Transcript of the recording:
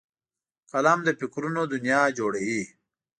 قلم له فکرونو دنیا جوړوي